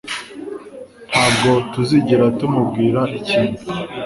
Ntabwo tuzigera tumubwira ikintu